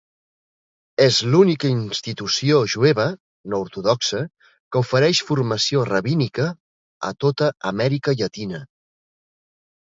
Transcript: És l'única institució jueva no ortodoxa que ofereix formació rabínica a tota Amèrica Llatina.